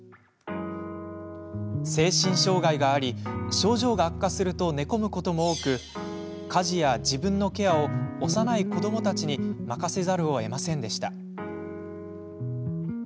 精神障害があり症状が悪化すると寝込むことも多く家事や自分のケアを幼い子どもたちに任せざるをえませんでした。